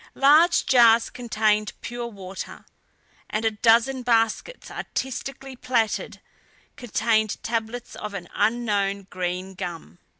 Large jars contained pure water, and a dozen baskets artistically plaited contained tablets of an unknown green gum.